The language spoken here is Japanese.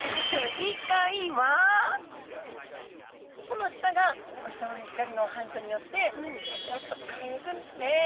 この舌がお日様の光の反射によってキラキラッと輝くんですね。